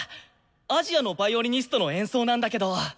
アジアのヴァイオリニストの演奏なんだけど。